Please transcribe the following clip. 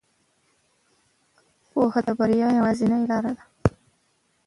پوهه د بریا یوازینۍ لاره ده.